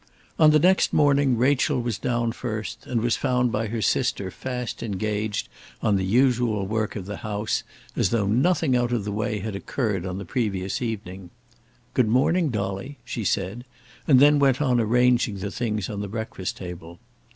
On the next morning Rachel was down first, and was found by her sister fast engaged on the usual work of the house, as though nothing out of the way had occurred on the previous evening. "Good morning, Dolly," she said, and then went on arranging the things on the breakfast table.